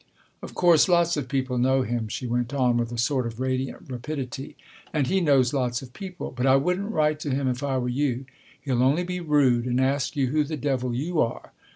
" Of course lots of people know him," she went on with a sort of radiant rapidity. " And he knows lots of people. But I wouldn't write to him if I were you. He'll only be rude, and ask you who the devil you are.